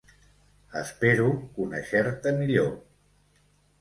Espero conèixer-te millor.